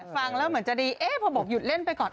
ฟังแล้วเหมือนจะดีเอ๊ะพอบอกหยุดเล่นไปก่อน